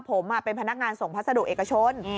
ผมเป็นพนักงานส่งพัสดุเอกชน